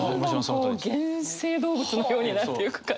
原生動物のようになっていく感じ。